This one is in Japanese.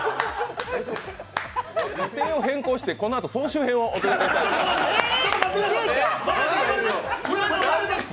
予定を変更してこのあと総集編をお送りします。